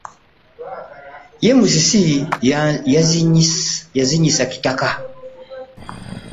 Ye Musisi yazinyisa kitaka .